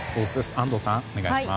安藤さん、お願いします。